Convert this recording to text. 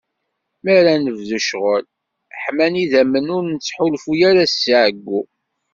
Mi ara nebdu ccɣel, ḥman idammen, ur nettḥulfu ara s ɛeggu.